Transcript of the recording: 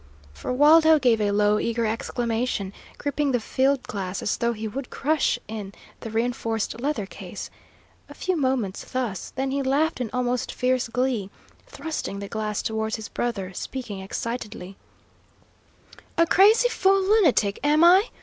For Waldo gave a low, eager exclamation, gripping the field glass as though he would crush in the reinforced leather case. A few moments thus, then he laughed in almost fierce glee, thrusting the glass towards his brother, speaking excitedly: "A crazy fool lunatic, am I?